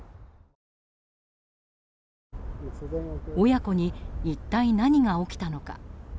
親子に一体何が起きたのか。